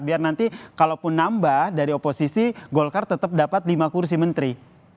biar nanti kalau pun nambah dari oposisi golkar tetap dapat lima kursi menteri